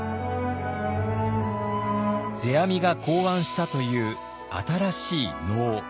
世阿弥が考案したという新しい能。